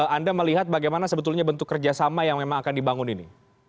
anda melihat bagaimana sebetulnya bentuk kerjasama yang memang akan dibangun ini